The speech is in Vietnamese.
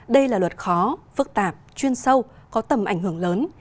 đây là luật khó phức tạp chuyên sâu có tầm ảnh hưởng lớn